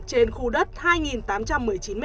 trên khu đất hai tám trăm một mươi chín m hai